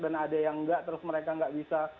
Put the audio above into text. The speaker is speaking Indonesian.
dan ada yang enggak terus mereka enggak bisa